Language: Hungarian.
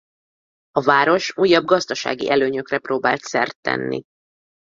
A város újabb gazdasági előnyökre próbált szert tenni.